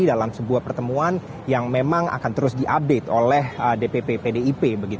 dalam sebuah pertemuan yang memang akan terus diupdate oleh dpp pdip